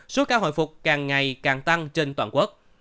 số ca hồi phục càng ngày càng tăng trên toàn quốc